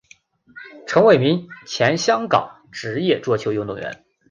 陈伟明前香港职业桌球运动员。